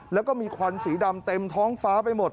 แล้วก็มีควันสีดำเต็มท้องฟ้าไปหมด